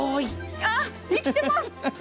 ああっ、生きてます！